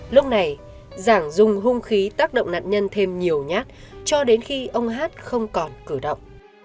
lúc này giảng dùng hung khí tác động nạn nhân thêm nhiều nhát cho đến khi ông hát không còn cử động